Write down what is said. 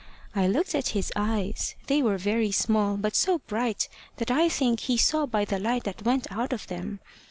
I looked at his eyes. They were very small, but so bright that I think he saw by the light that went out of them.